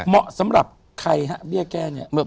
เหมาะสำหรับใครฮะเบี้ยแก้เนี่ย